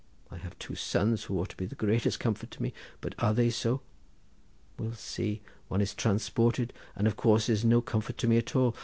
I have two sons who ought to be the greatest comfort to me, but are they so? We'll see—one is transported, and of course is no comfort to me at all.